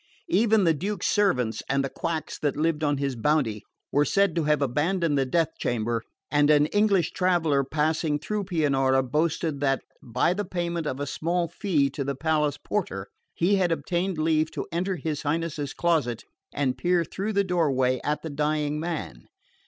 Even the Duke's servants, and the quacks that lived on his bounty, were said to have abandoned the death chamber; and an English traveller passing through Pianura boasted that, by the payment of a small fee to the palace porter, he had obtained leave to enter his Highness's closet and peer through the doorway at the dying man.